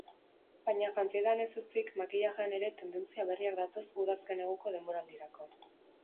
Baina jantzietan ez ezik, makillajean ere tendentzia berriak datoz udazken-neguko denboraldirako.